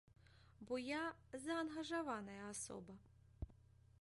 Бо я заангажаваная асоба.